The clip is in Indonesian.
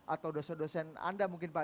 atau dosen dosen anda mungkin pak